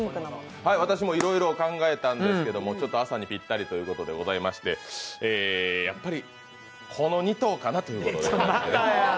私もいろいろ考えたんですけど、朝にぴったりということでございましてやっぱりこの２頭かなということでございます。